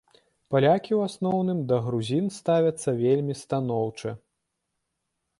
Палякі ў асноўным да грузін ставяцца вельмі станоўча.